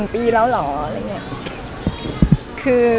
๑ปีแล้วเหรอ